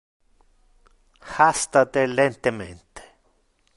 Hasta te lentemente.